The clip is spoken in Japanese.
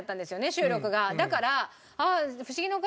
収録が。